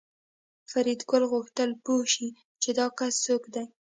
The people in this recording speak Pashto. فریدګل غوښتل پوه شي چې دا کس څوک دی